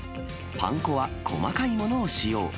パン粉は細かいものを使用。